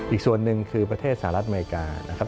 อีกส่วนหนึ่งก็คือประเทศสหรัฐอเมียกา